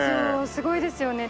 すごいですよね。